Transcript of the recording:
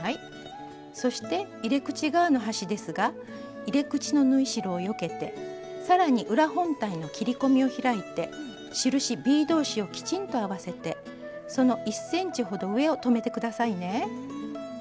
そして入れ口側の端ですが入れ口の縫い代をよけてさらに裏本体の切り込みを開いて印ｂ同士をきちんと合わせてその１ｃｍほど上を留めて下さいね。